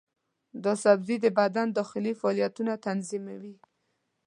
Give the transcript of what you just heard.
دا سبزی د بدن داخلي فعالیتونه تنظیموي.